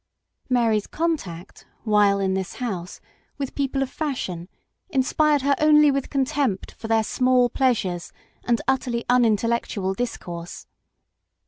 Mary's contact, 6 MBS. SHELLEY. while in this house, with people of fashion inspired her only with contempt for their small pleasures and utterly unintellectual discourse.